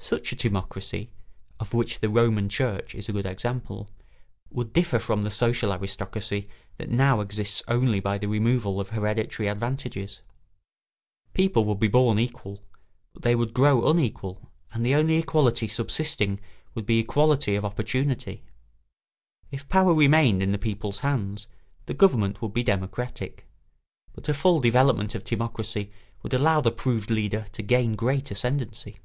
Such a timocracy (of which the Roman Church is a good example) would differ from the social aristocracy that now exists only by the removal of hereditary advantages. People would be born equal, but they would grow unequal, and the only equality subsisting would be equality of opportunity. If power remained in the people's hands, the government would be democratic; but a full development of timocracy would allow the proved leader to gain great ascendancy.